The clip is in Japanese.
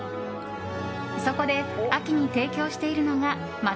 そこで秋のに提供しているのが松茸